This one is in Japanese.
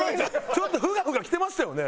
ちょっとフガフガきてましたよね？